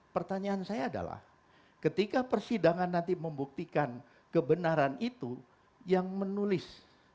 pertanyaan saya adalah ketika persidangan nanti membuktikan kebenaran itu yang menulis